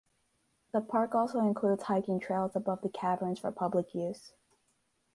The park also includes hiking trails above the caverns for public use.